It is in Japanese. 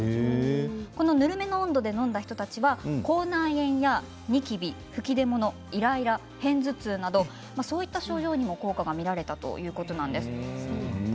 この、ぬるめの温度で飲んだ人たちは口内炎やニキビ吹き出物、イライラ、偏頭痛などそういった症状にも効果が見られたということです。